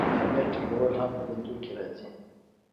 د امنیت ټینګول هم په دندو کې راځي.